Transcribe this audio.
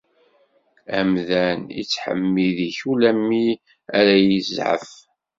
Amdan ittḥemmid-ik ula mi ara yezɛef.